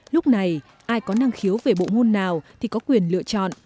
lúc này ai có năng khiếu về bộ môn nào thì có quyền lựa chọn